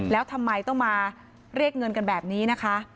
แล้วทำไมต้องมาเรียกเงินกันแบบนี้นะคะ